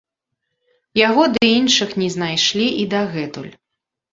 Яго ды іншых не знайшлі і дагэтуль.